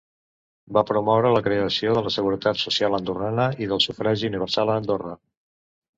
Va promoure la creació de la Seguretat Social andorrana i del sufragi universal a Andorra.